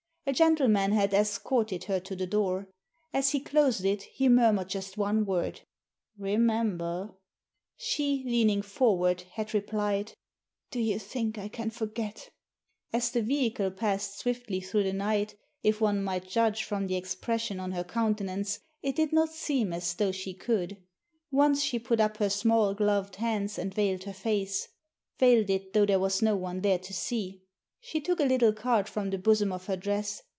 A gentle man had escorted her to the door. As he closed it he murmured just one word — "Remember!" She, leaning forward, had replied, Do you think I can forget ?" As the vehicle passed swiftly through the night, if one might judge from the expression on her counten ance, it did not seem as though she could. Once she put up her small gloved hands and veiled her face — veiled it though there was no one there to see. She took a little card from the bosom of her dress.